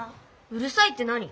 うるいさいって何？